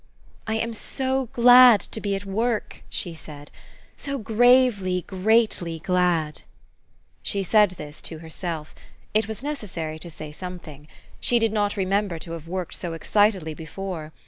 " I am so glad to be at work !" she said, "so gravely, greatly glad !" She said this to herself. It was necessary to say something. She did not remember to have worked so excitedly before.